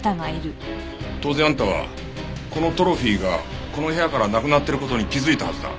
当然あんたはこのトロフィーがこの部屋からなくなってる事に気づいたはずだ。